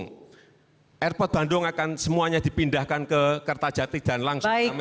airport bandung akan semuanya dipindahkan ke kertajati dan langsung ramai